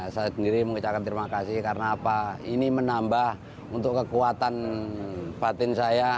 saya sendiri mengucapkan terima kasih karena apa ini menambah untuk kekuatan batin saya